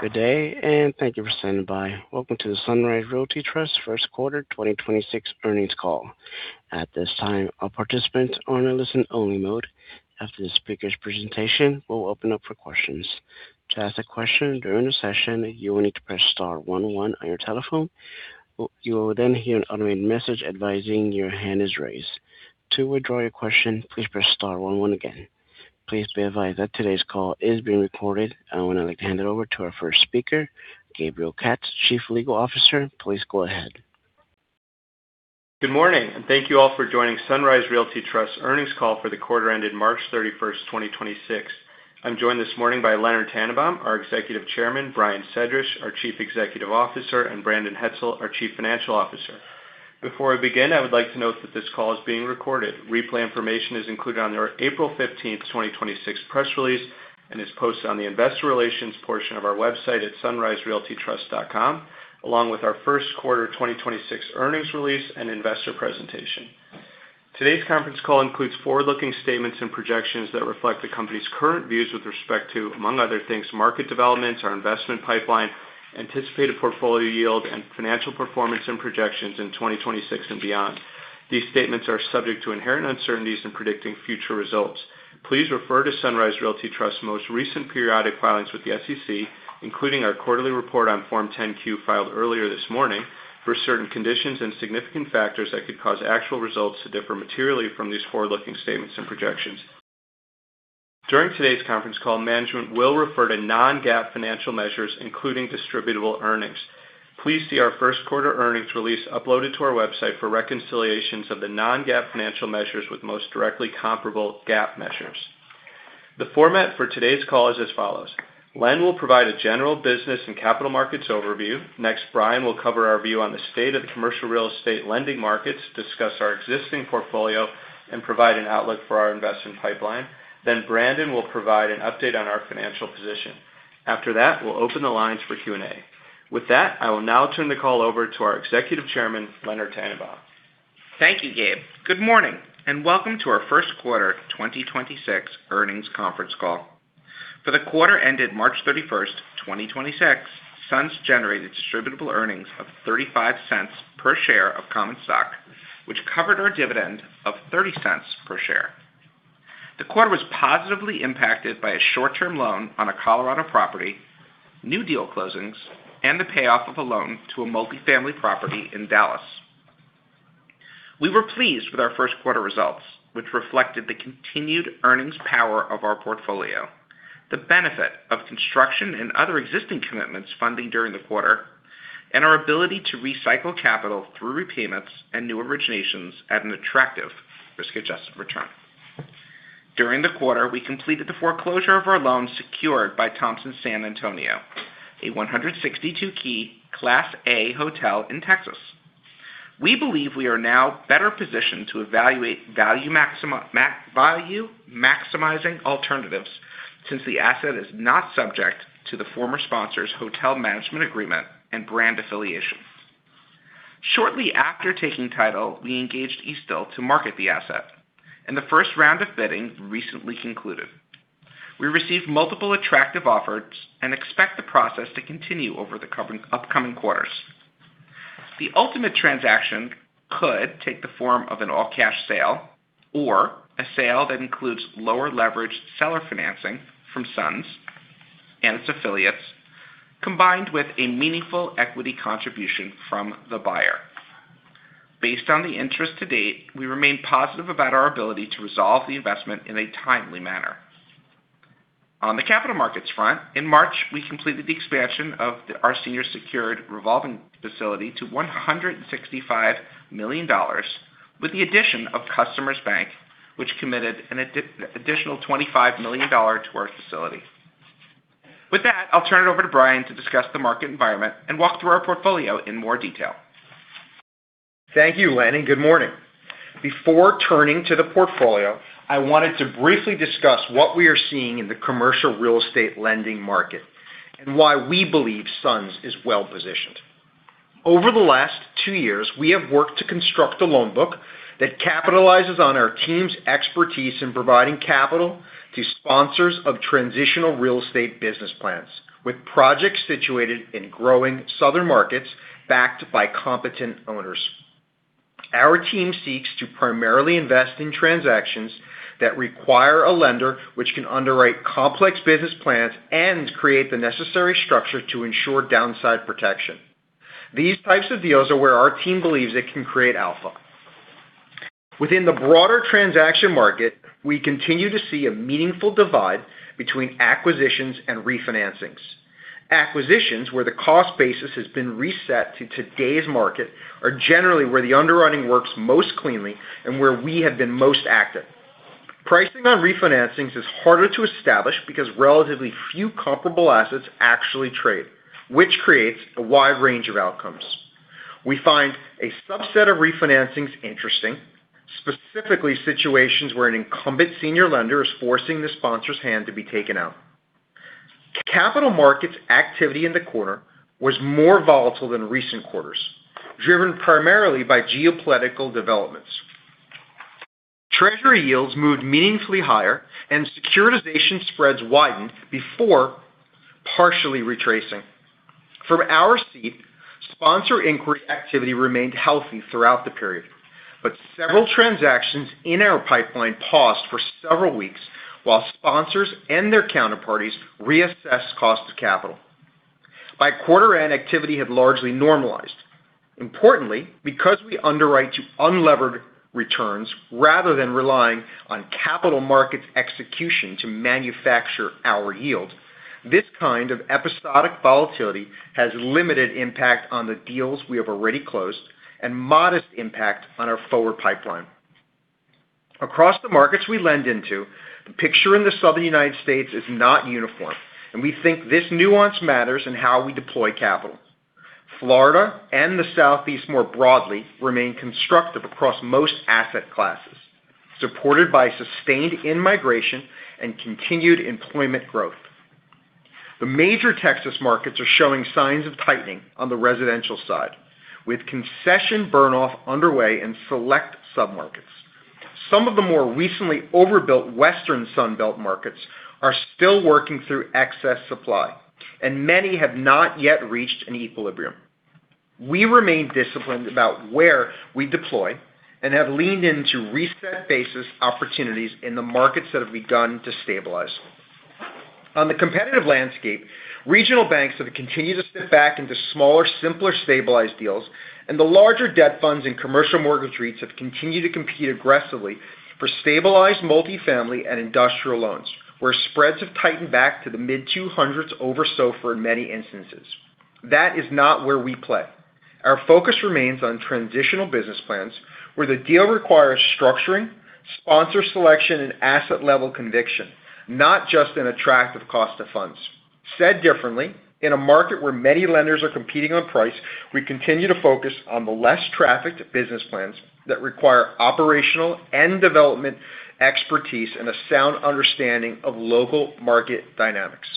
Good day, and thank you for standing by. Welcome to the Sunrise Realty Trust first quarter 2026 earnings call. At this time, all participants are in a listen-only mode. After the speaker's presentation, we'll open up for questions. To ask a question during the session, you will need to press star one one on your telephone. You will then hear an automated message advising your hand is raised. To withdraw your question, please press star one one again. Please be advised that today's call is being recorded. I would now like to hand it over to our first speaker, Gabriel Katz, Chief Legal Officer. Please go ahead. Good morning, and thank you all for joining Sunrise Realty Trust earnings call for the quarter ended March 31st, 2026. I'm joined this morning by Leonard Tannenbaum, our Executive Chairman, Brian Sedrish, our Chief Executive Officer, and Brandon Hetzel, our Chief Financial Officer. Before I begin, I would like to note that this call is being recorded. Replay information is included on our April 15th, 2026 press release and is posted on the investor relations portion of our website at sunriserealtytrust.com, along with our first quarter 2026 earnings release and investor presentation. Today's conference call includes forward-looking statements and projections that reflect the company's current views with respect to, among other things, market developments, our investment pipeline, anticipated portfolio yield, and financial performance and projections in 2026 and beyond. These statements are subject to inherent uncertainties in predicting future results. Please refer to Sunrise Realty Trust most recent periodic filings with the SEC, including our Quarterly Report on Form 10-Q filed earlier this morning for certain conditions and significant factors that could cause actual results to differ materially from these forward-looking statements and projections. During today's conference call, management will refer to non-GAAP financial measures, including Distributable Earnings. Please see our first quarter earnings release uploaded to our website for reconciliations of the non-GAAP financial measures with most directly comparable GAAP measures. The format for today's call is as follows. Len will provide a general business and capital markets overview. Next, Brian will cover our view on the state of the commercial real estate lending markets, discuss our existing portfolio, and provide an outlook for our investment pipeline. Brandon will provide an update on our financial position. After that, we'll open the lines for Q&A. With that, I will now turn the call over to our Executive Chairman, Leonard Tannenbaum. Thank you, Gabe. Good morning, and welcome to our first quarter 2026 earnings conference call. For the quarter ended March 31st, 2026, SUNS generated distributable earnings of 35 cents per share of common stock, which covered our dividend of 30 cents per share. The quarter was positively impacted by a short-term loan on a Colorado property, new deal closings, and the payoff of a loan to a multifamily property in Dallas. We were pleased with our first quarter results, which reflected the continued earnings power of our portfolio, the benefit of construction and other existing commitments funding during the quarter, and our ability to recycle capital through repayments and new originations at an attractive risk-adjusted return. During the quarter, we completed the foreclosure of our loan secured by Thompson San Antonio, a 162-key Class A hotel in Texas. We believe we are now better positioned to evaluate value-maximizing alternatives since the asset is not subject to the former sponsor's hotel management agreement and brand affiliation. Shortly after taking title, we engaged Eastdil to market the asset, and the first round of bidding recently concluded. We received multiple attractive offers and expect the process to continue over the upcoming quarters. The ultimate transaction could take the form of an all-cash sale or a sale that includes lower leverage seller financing from SUNS and its affiliates, combined with a meaningful equity contribution from the buyer. Based on the interest to date, we remain positive about our ability to resolve the investment in a timely manner. On the capital markets front, in March, we completed the expansion of our senior secured revolving facility to $165 million with the addition of Customers Bank, which committed an additional $25 million to our facility. With that, I'll turn it over to Brian to discuss the market environment and walk through our portfolio in more detail. Thank you, Len, and good morning. Before turning to the portfolio, I wanted to briefly discuss what we are seeing in the commercial real estate lending market and why we believe SUNS is well-positioned. Over the last two years, we have worked to construct a loan book that capitalizes on our team's expertise in providing capital to sponsors of transitional real estate business plans with projects situated in growing southern markets backed by competent owners. Our team seeks to primarily invest in transactions that require a lender which can underwrite complex business plans and create the necessary structure to ensure downside protection. These types of deals are where our team believes it can create alpha. Within the broader transaction market, we continue to see a meaningful divide between acquisitions and refinancings. Acquisitions where the cost basis has been reset to today's market are generally where the underwriting works most cleanly and where we have been most active. Pricing on refinancings is harder to establish because relatively few comparable assets actually trade, which creates a wide range of outcomes. We find a subset of refinancings interesting, specifically situations where an incumbent senior lender is forcing the sponsor's hand to be taken out. Capital markets activity in the quarter was more volatile than recent quarters, driven primarily by geopolitical developments. Treasury yields moved meaningfully higher and securitization spreads widened before partially retracing. From our seat, sponsor inquiry activity remained healthy throughout the period, but several transactions in our pipeline paused for several weeks while sponsors and their counterparties reassessed cost of capital. By quarter-end, activity had largely normalized. Importantly, because we underwrite to unlevered returns rather than relying on capital markets execution to manufacture our yield, this kind of episodic volatility has limited impact on the deals we have already closed and modest impact on our forward pipeline. Across the markets we lend into, the picture in the Southern United States is not uniform, and we think this nuance matters in how we deploy capital. Florida and the Southeast more broadly remain constructive across most asset classes, supported by sustained in-migration and continued employment growth. The major Texas markets are showing signs of tightening on the residential side, with concession burn-off underway in select submarkets. Some of the more recently overbuilt Western Sun Belt markets are still working through excess supply, and many have not yet reached an equilibrium. We remain disciplined about where we deploy and have leaned into reset basis opportunities in the markets that have begun to stabilize. On the competitive landscape, regional banks have continued to step back into smaller, simpler, stabilized deals, and the larger debt funds and commercial mortgage REITs have continued to compete aggressively for stabilized multifamily and industrial loans, where spreads have tightened back to the mid 200s over SOFR in many instances. That is not where we play. Our focus remains on transitional business plans where the deal requires structuring, sponsor selection, and asset-level conviction, not just an attractive cost of funds. Said differently, in a market where many lenders are competing on price, we continue to focus on the less trafficked business plans that require operational and development expertise and a sound understanding of local market dynamics.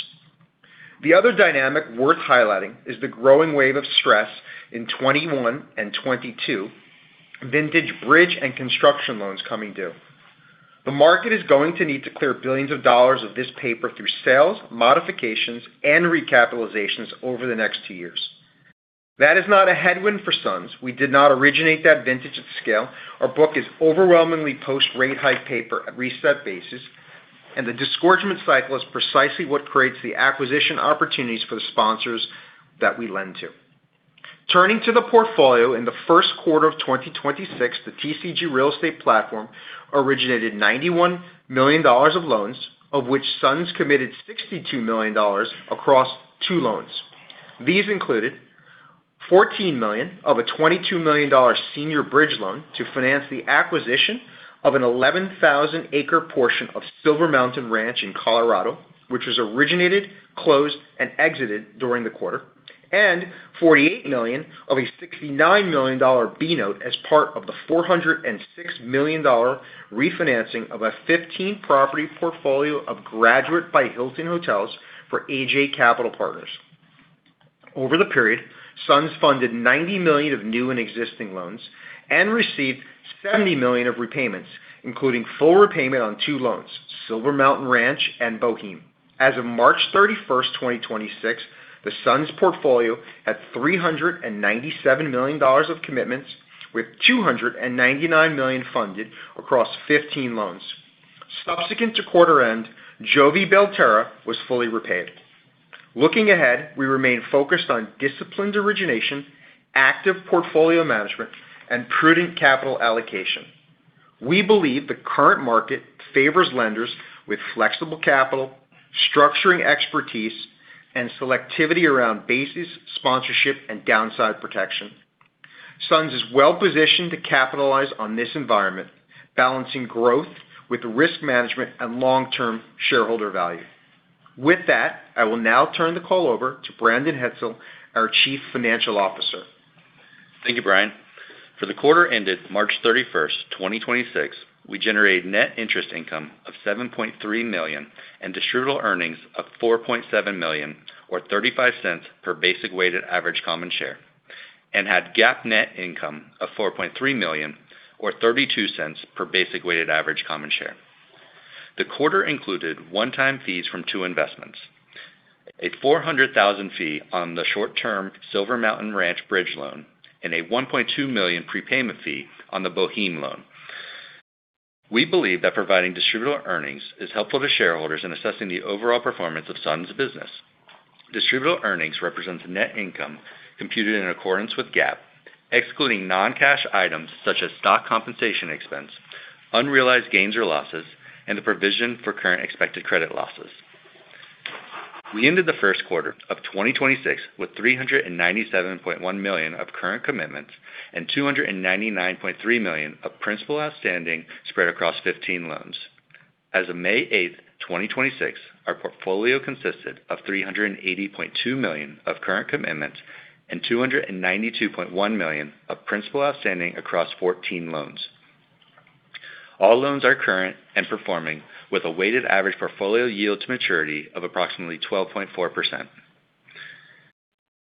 The other dynamic worth highlighting is the growing wave of stress in 2021 and 2022 vintage bridge and construction loans coming due. The market is going to need to clear billions of dollars of this paper through sales, modifications, and recapitalizations over the next two years. That is not a headwind for SUNS. We did not originate that vintage at scale. Our book is overwhelmingly post-rate hike paper at reset basis, and the disgorgement cycle is precisely what creates the acquisition opportunities for the sponsors that we lend to. Turning to the portfolio, in the first quarter of 2026, the TCG Real Estate platform originated $91 million of loans, of which SUNS committed $62 million across two loans. These included $14 million of a $22 million senior bridge loan to finance the acquisition of an 11,000 acre portion of Silver Mountain Ranch in Colorado, which was originated, closed, and exited during the quarter, and $48 million of a $69 million B note as part of the $406 million refinancing of a 15-property portfolio of Graduate by Hilton hotels for AJ Capital Partners. Over the period, SUNS funded $90 million of new and existing loans and received $70 million of repayments, including full repayment on 2 loans, Silver Mountain Ranch and Bohéme. As of March 31, 2026, the SUNS portfolio had $397 million of commitments, with $299 million funded across 15 loans. Subsequent to quarter-end, Jovie Belterra was fully repaid. Looking ahead, we remain focused on disciplined origination, active portfolio management, and prudent capital allocation. We believe the current market favors lenders with flexible capital, structuring expertise, and selectivity around basis, sponsorship, and downside protection. SUNS is well-positioned to capitalize on this environment, balancing growth with risk management and long-term shareholder value. With that, I will now turn the call over to Brandon Hetzel, our Chief Financial Officer. Thank you, Brian. For the quarter-ended March 31, 2026, we generated net interest income of $7.3 million and distributable earnings of $4.7 million or $0.35 per basic weighted average common share, and had GAAP net income of $4.3 million or $0.32 per basic weighted average common share. The quarter included one-time fees from two investments, a $400,000 fee on the short-term Silver Mountain Ranch Bridge loan and a $1.2 million prepayment fee on the Bohéme loan. We believe that providing distributable earnings is helpful to shareholders in assessing the overall performance of SUNS business. Distributable earnings represents net income computed in accordance with GAAP, excluding non-cash items such as stock compensation expense, unrealized gains or losses, and the provision for current expected credit losses. We ended the first quarter of 2026 with $397.1 million of current commitments and $299.3 million of principal outstanding spread across 15 loans. As of May 8th, 2026, our portfolio consisted of $380.2 million of current commitments and $292.1 million of principal outstanding across 14 loans. All loans are current and performing with a weighted average portfolio yield to maturity of approximately 12.4%.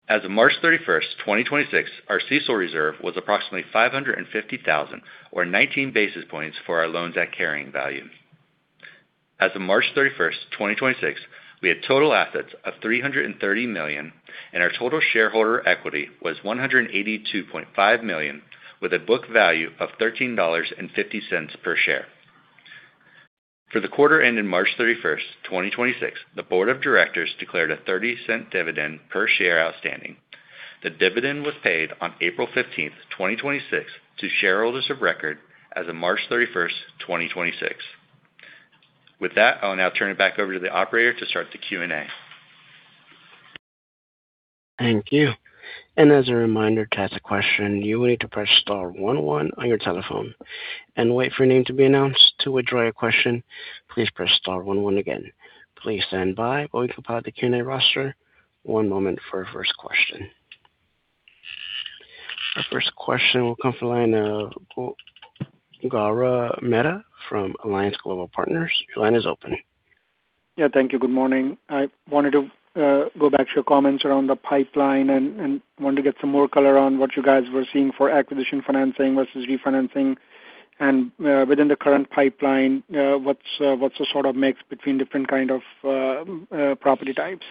As of March 31st, 2026, our CECL reserve was approximately $550,000, or 19 basis points for our loans at carrying value. As of March 31st, 2026, we had total assets of $330 million, and our total shareholder equity was $182.5 million with a book value of $13.50 per share. For the quarter ending March 31st, 2026, the Board of Directors declared a $0.30 dividend per share outstanding. The dividend was paid on April 15th, 2026 to shareholders of record as of March 31st, 2026. With that, I'll now turn it back over to the operator to start the Q&A. Thank you. As a reminder, to ask a question, you will need to press star one one on your telephone and wait for your name to be announced. To withdraw your question, please press star one one again. Please stand by while we compile the Q&A roster. One moment for our first question. Our first question will come from the line of Gaurav Mehta from Alliance Global Partners. Your line is open. Yeah, thank you. Good morning. I wanted to go back to your comments around the pipeline and wanted to get some more color on what you guys were seeing for acquisition financing versus refinancing. Within the current pipeline, what's the sort of mix between different kind of property types?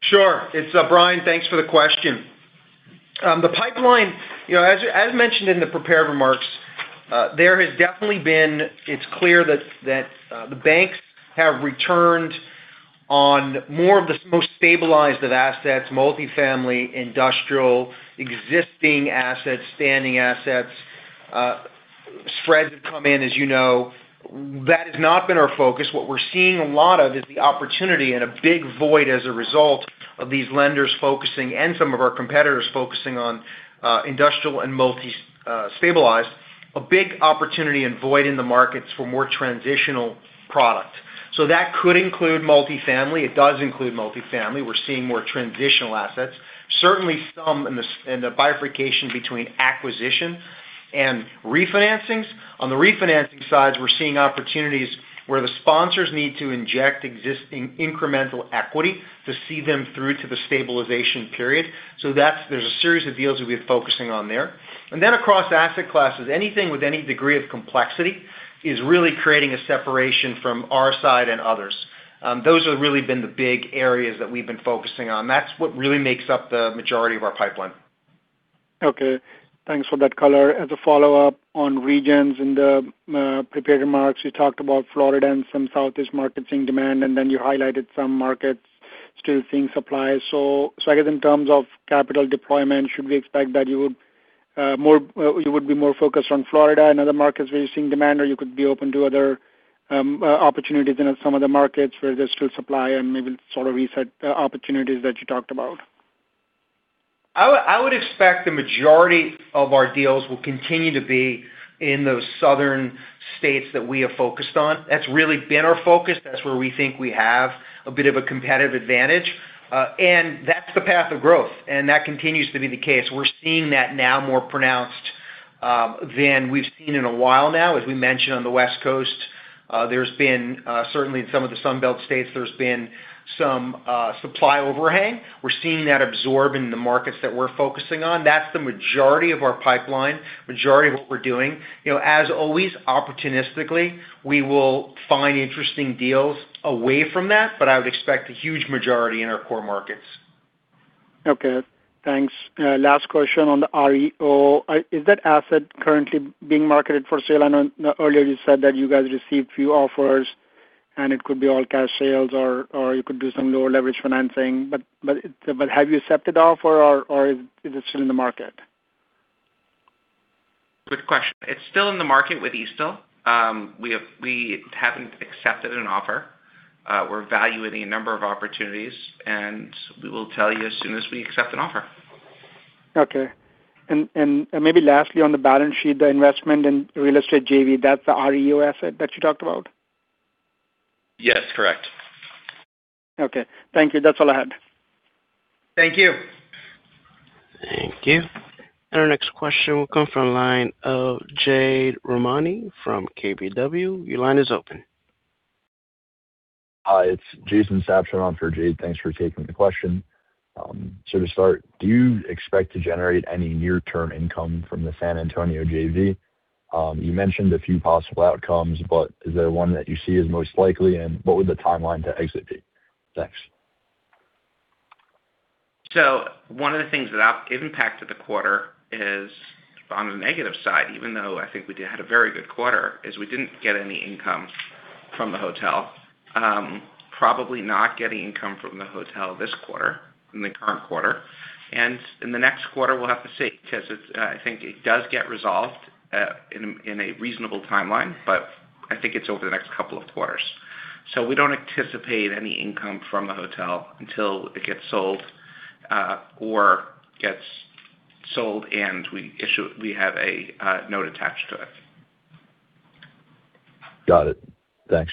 Sure. It's Brian. Thanks for the question. The pipeline, you know, as mentioned in the prepared remarks, there has definitely been. It's clear that the banks have returned on more of the most stabilized of assets, multi-family, industrial, existing assets, standing assets. Spreads have come in, as you know. That has not been our focus. What we're seeing a lot of is the opportunity and a big void as a result of these lenders focusing and some of our competitors focusing on industrial and multi stabilized. A big opportunity and void in the markets for more transitional product. That could include multi-family. It does include multi-family. We're seeing more transitional assets. Certainly some in the bifurcation between acquisition and refinancings. On the refinancing side, we're seeing opportunities where the sponsors need to inject existing incremental equity to see them through to the stabilization period. That's, there's a series of deals that we're focusing on there. Across asset classes, anything with any degree of complexity is really creating a separation from our side and others. Those have really been the big areas that we've been focusing on. That's what really makes up the majority of our pipeline. Okay. Thanks for that color. As a follow-up on regions in the prepared remarks, you talked about Florida and some Southeast markets seeing demand, and then you highlighted some markets still seeing supply. I guess in terms of capital deployment, should we expect that you would be more focused on Florida and other markets where you're seeing demand or you could be open to other opportunities in some other markets where there's still supply and maybe sort of reset the opportunities that you talked about? I would expect the majority of our deals will continue to be in those southern states that we have focused on. That's really been our focus. That's where we think we have a bit of a competitive advantage. That's the path of growth, and that continues to be the case. We're seeing that now more pronounced than we've seen in a while now. As we mentioned on the West Coast, there's been certainly in some of the Sun Belt states, there's been some supply overhang. We're seeing that absorb in the markets that we're focusing on. That's the majority of our pipeline, majority of what we're doing. You know, as always, opportunistically, we will find interesting deals away from that. I would expect a huge majority in our core markets. Okay. Thanks. Last question on the REO. Is that asset currently being marketed for sale? I know earlier you said that you guys received few offers and it could be all cash sales or you could do some lower leverage financing. Have you accepted the offer or is it still in the market? Good question. It's still in the market with Eastdil. We haven't accepted an offer. We're evaluating a number of opportunities, and we will tell you as soon as we accept an offer. Okay. Maybe lastly, on the balance sheet, the investment in real estate JV, that's the REO asset that you talked about? Yes, correct. Okay. Thank you. That's all I had. Thank you. Thank you. Our next question will come from line of Jade Rahmani from KBW. Your line is open. Hi, it's Jason Sabshon on for Jade. Thanks for taking the question. To start, do you expect to generate any near-term income from the San Antonio JV? You mentioned a few possible outcomes, but is there one that you see as most likely, and what would the timeline to exit be? Thanks. One of the things that I've given back to the quarter is, on the negative side, even though I think we did have a very good quarter, is we didn't get any income from the hotel. Probably not getting income from the hotel this quarter, in the current quarter. In the next quarter, we'll have to see because it's, I think it does get resolved, in a reasonable timeline, but I think it's over the next couple of quarters. We don't anticipate any income from the hotel until it gets sold or we have a note attached to it. Got it. Thanks.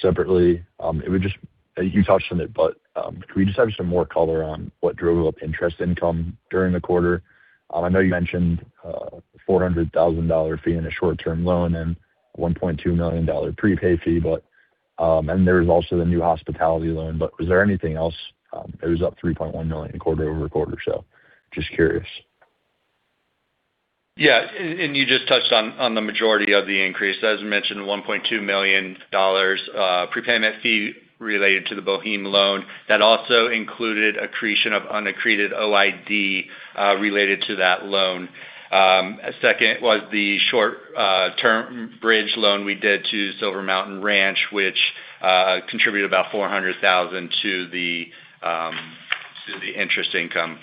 Separately, it was just you touched on it, but could we just have some more color on what drove up interest income during the quarter? I know you mentioned $400,000 fee in a short-term loan and $1.2 million prepay fee, but and there was also the new hospitality loan. Was there anything else? It was up $3.1 million quarter-over-quarter, so just curious. Yeah. You just touched on the majority of the increase. As mentioned, $1.2 million prepayment fee related to the Bohéme loan. That also included accretion of unaccreted OID related to that loan. Second was the short-term bridge loan we did to Silver Mountain Ranch, which contributed about $400,000 to the interest income.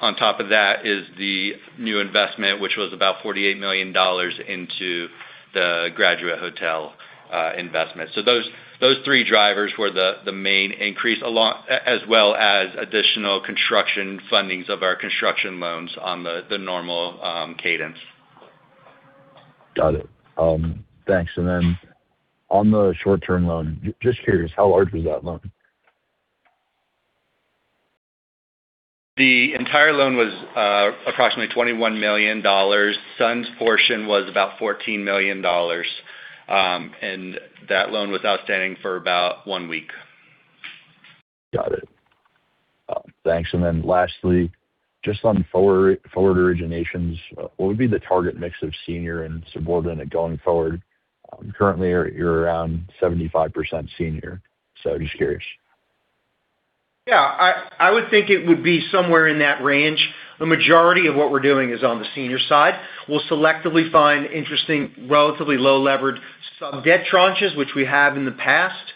On top of that is the new investment, which was about $48 million into the Graduate Hotels investment. Those three drivers were the main increase as well as additional construction fundings of our construction loans on the normal cadence. Got it. Thanks. On the short-term loan, just curious, how large was that loan? The entire loan was approximately $21 million. SUNS portion was about $14 million. That loan was outstanding for about one week. Got it. Thanks. Lastly, just on forward originations, what would be the target mix of senior and subordinate going forward? Currently, you're around 75% senior, so just curious. Yeah. I would think it would be somewhere in that range. The majority of what we're doing is on the senior side. We'll selectively find interesting, relatively low levered sub debt tranches, which we have in the past.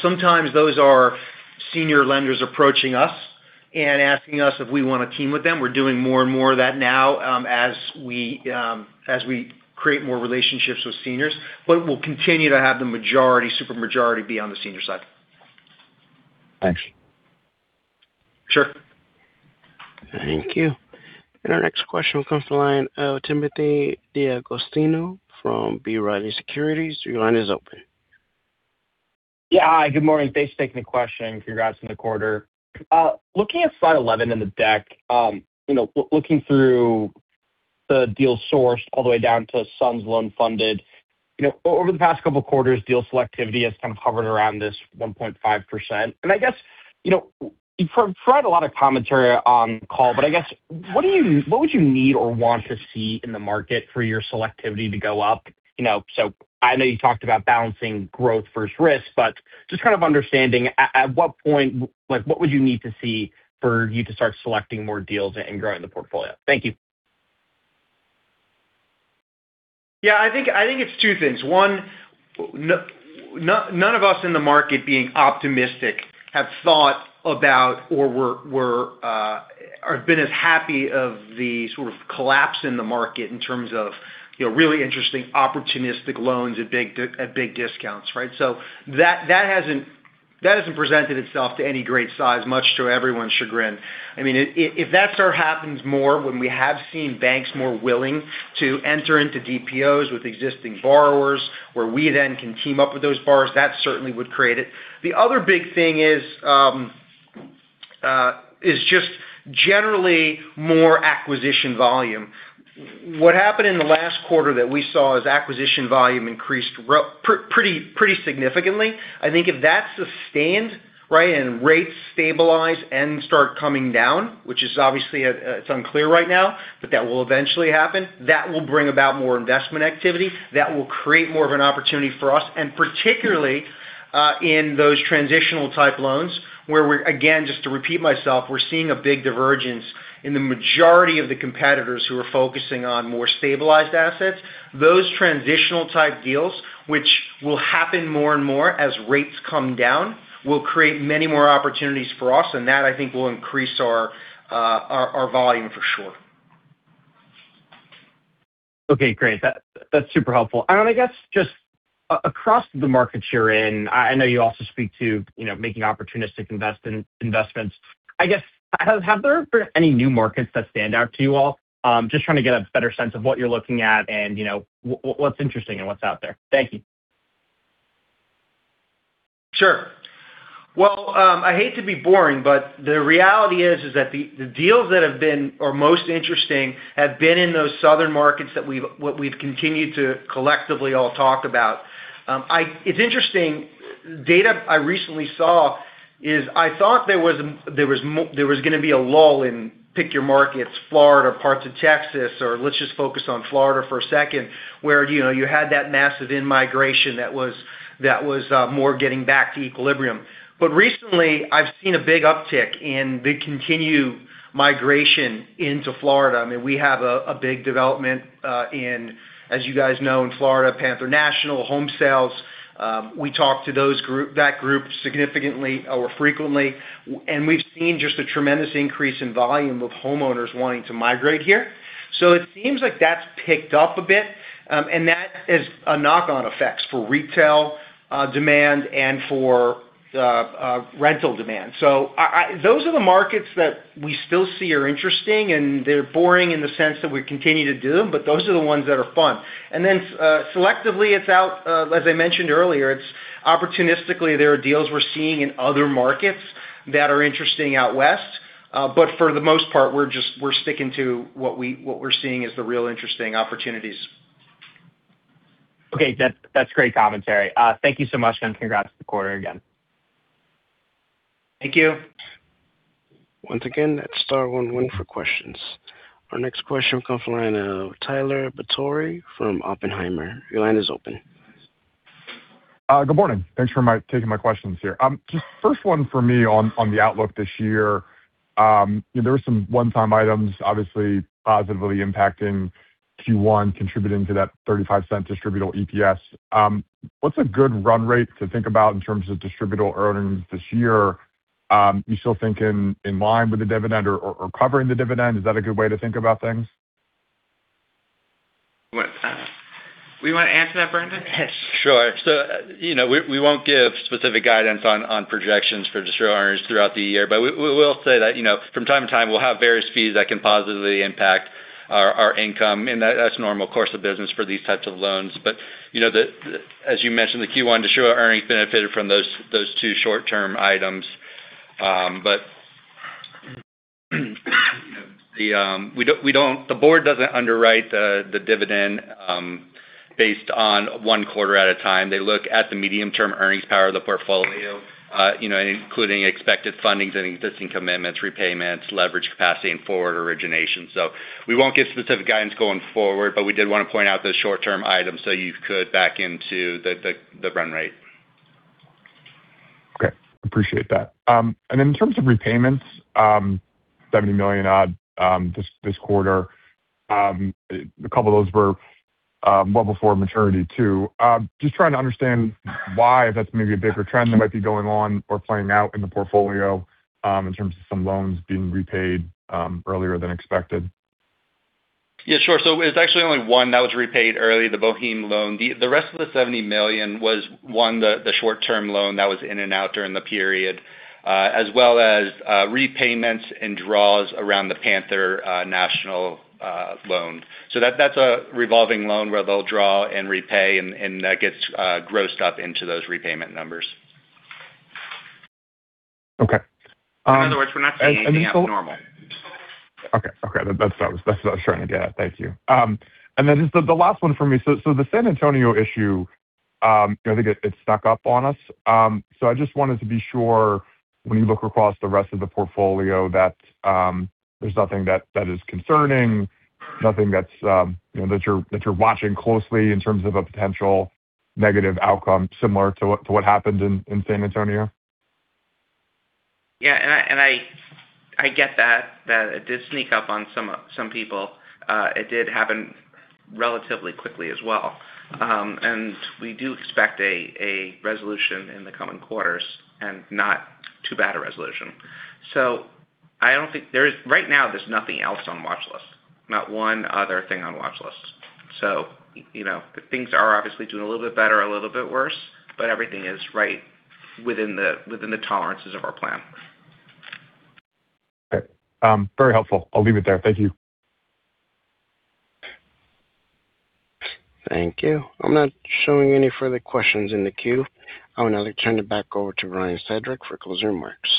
Sometimes those are senior lenders approaching us and asking us if we wanna team with them. We're doing more and more of that now, as we create more relationships with seniors. We'll continue to have the majority, super majority be on the senior side. Thanks. Sure. Thank you. Our next question will come from the line of Timothy D'Agostino from B. Riley Securities. Your line is open. Yeah. Hi, good morning. Thanks for taking the question. Congrats on the quarter. Looking at Slide 11 in the deck, you know, looking through the deals sourced all the way down to SUNS loan funded. You know, over the past couple of quarters, deal selectivity has kind of hovered around this 1.5%. I guess, you know, you provide a lot of commentary on call, but I guess, what would you need or want to see in the market for your selectivity to go up? You know, so I know you talked about balancing growth versus risk, but just kind of understanding at what point, like, what would you need to see for you to start selecting more deals and growing the portfolio? Thank you. Yeah, I think it's two things. One, none of us in the market being optimistic have thought about or been as happy of the sort of collapse in the market in terms of, you know, really interesting opportunistic loans at big discounts, right? That hasn't presented itself to any great size, much to everyone's chagrin. I mean, if that sort of happens more when we have seen banks more willing to enter into DPO with existing borrowers, where we then can team up with those borrowers, that certainly would create it. The other big thing is just generally more acquisition volume. What happened in the last quarter that we saw is acquisition volume increased pretty significantly. I think if that's sustained, right, and rates stabilize and start coming down, which is obviously, it's unclear right now, but that will eventually happen. That will bring about more investment activity. That will create more of an opportunity for us, and particularly, in those transitional type loans, where we're, again, just to repeat myself, we're seeing a big divergence in the majority of the competitors who are focusing on more stabilized assets. Those transitional type deals, which will happen more and more as rates come down, will create many more opportunities for us, and that, I think, will increase our volume for sure. Okay, great. That's super helpful. I guess just across the markets you're in, I know you also speak to, you know, making opportunistic investments. I guess, have there been any new markets that stand out to you all? Just trying to get a better sense of what you're looking at and, you know, what's interesting and what's out there. Thank you. Sure. Well, I hate to be boring, but the reality is that the deals that have been most interesting have been in those southern markets that we've continued to collectively all talk about. It's interesting, data I recently saw is I thought there was gonna be a lull in, pick your markets, Florida, parts of Texas, or let's just focus on Florida for a second, where, you know, you had that massive in-migration that was more getting back to equilibrium. Recently, I've seen a big uptick in the continued migration into Florida. I mean, we have a big development, as you guys know, in Florida, Panther National, home sales. We talk to that group significantly or frequently, and we've seen just a tremendous increase in volume of homeowners wanting to migrate here. It seems like that's picked up a bit, and that has knock-on effects for retail demand and for rental demand. Those are the markets that we still see are interesting, and they're boring in the sense that we continue to do them, but those are the ones that are fun. Selectively, it's out, as I mentioned earlier, it's opportunistically, there are deals we're seeing in other markets that are interesting out west. For the most part, we're sticking to what we're seeing as the real interesting opportunities. Okay. That, that's great commentary. Thank you so much, and congrats on the quarter again. Thank you. Once again, star one one for questions. Our next question will come from the line of Tyler Batory from Oppenheimer. Your line is open. Good morning. Thanks for taking my questions here. Just first one for me on the outlook this year. There were some one-time items obviously positively impacting Q1, contributing to that $0.35 distributable EPS. What's a good run rate to think about in terms of distributable earnings this year? Are you still thinking in line with the dividend or covering the dividend? Is that a good way to think about things? What? Do you wanna answer that, Brandon? Sure. You know, we won't give specific guidance on projections for distributable earnings throughout the year, but we will say that, you know, from time to time, we'll have various fees that can positively impact our income, and that's normal course of business for these types of loans. You know, as you mentioned, the Q1 distributable earnings benefited from those two short-term items. The Board doesn't underwrite the dividend based on one quarter at a time. They look at the medium-term earnings power of the portfolio, you know, including expected fundings and existing commitments, repayments, leverage capacity, and forward origination. We won't give specific guidance going forward, but we did wanna point out those short-term items, so you could back into the run rate. Okay. Appreciate that. In terms of repayments, $70 million odd this quarter, a couple of those were well before maturity too. Just trying to understand why, if that's maybe a bigger trend that might be going on or playing out in the portfolio, in terms of some loans being repaid earlier than expected. Yeah, sure. It's actually only one that was repaid early, the Bohéme loan. The rest of the $70 million was one, the short-term loan that was in and out during the period, as well as repayments and draws around the Panther National loan. That's a revolving loan where they'll draw and repay and that gets grossed up into those repayment numbers. Okay. In other words, we're not seeing anything abnormal. Okay. That's what I was trying to get at. Thank you. Just the last one for me. The San Antonio issue, you know, I think it snuck up on us. I just wanted to be sure when you look across the rest of the portfolio that there's nothing that is concerning, nothing that's you know, that you're watching closely in terms of a potential negative outcome similar to what happened in San Antonio. Yeah. I get that it did sneak up on some people. It did happen relatively quickly as well. We do expect a resolution in the coming quarters and not too bad a resolution. I don't think right now there's nothing else on watch list, not one other thing on watch list. You know, things are obviously doing a little bit better, a little bit worse, but everything is right within the tolerances of our plan. Okay. Very helpful. I'll leave it there. Thank you. Thank you. I'm not showing any further questions in the queue. I will now turn it back over to Brian Sedrish for closing remarks.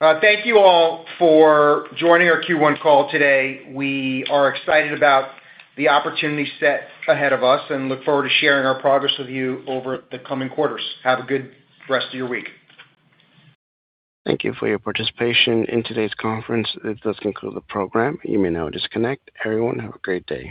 Thank you all for joining our Q1 call today. We are excited about the opportunity set ahead of us and look forward to sharing our progress with you over the coming quarters. Have a good rest of your week. Thank you for your participation in today's conference. This does conclude the program. You may now disconnect. Everyone, have a great day.